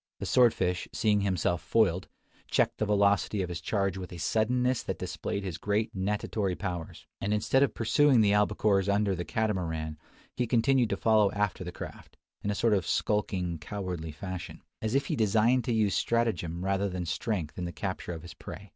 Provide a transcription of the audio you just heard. The sword fish, seeing himself foiled, checked the velocity of his charge with a suddenness that displayed his great natatory powers; and, instead of pursuing the albacores under the Catamaran, he continued to follow after the craft, in a sort of skulking, cowardly fashion, as if he designed to use stratagem rather than strength in the capture of his prey.